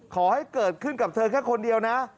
ขอให้เกิดขึ้นกับเธอแค่คนเดียวนะ